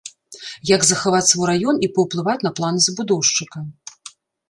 Як захаваць свой раён і паўплываць на планы забудоўшчыка.